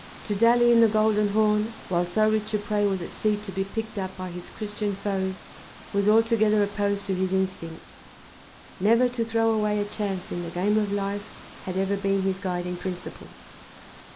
To dally in the Golden Horn while so rich a prey was at sea to be picked up by his Christian foes was altogether opposed to his instincts: never to throw away a chance in the game of life had ever been his guiding principle.